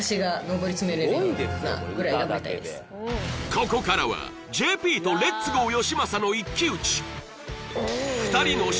ここからはＪＰとレッツゴーよしまさの一騎打ち！